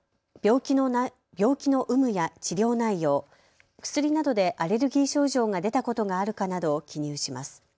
病気の有無や治療内容、薬などでアレルギー症状が出たことがあるかなどを記入します。